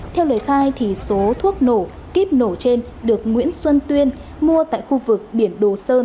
theo lời khai số thuốc nổ kiếp nổ trên được nguyễn xuân tuyên mua tại khu vực biển đồ sơn